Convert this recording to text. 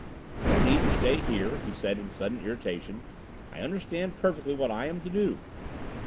"No need to stay here," he said in sudden irritation. "I understand perfectly what I am to do."